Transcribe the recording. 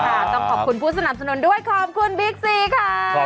ต้องขอบคุณผู้สนับสนุนด้วยขอบคุณบิ๊กซีค่ะ